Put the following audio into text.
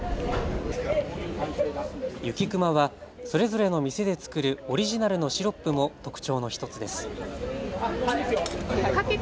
雪くまはそれぞれの店で作るオリジナルのシロップも特徴の１つです。